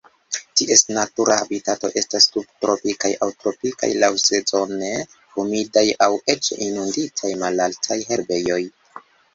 Ties natura habitato estas subtropikaj aŭ tropikaj laŭsezone humidaj aŭ eĉ inunditaj malaltaj herbejoj.